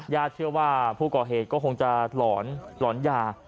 เชื่อว่าผู้ก่อเหตุก็คงจะหลอนหลอนยา